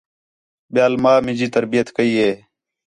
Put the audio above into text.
ٻِیال ماں مینجی تربیت کَئی ہِے